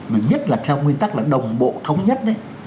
mà nhất là theo nguyên tắc là đồng bộ thống nhất đấy